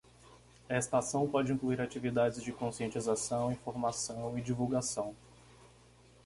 Esta ação pode incluir atividades de conscientização, informação e divulgação.